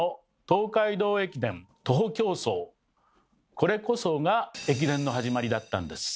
これこそが駅伝の始まりだったんです。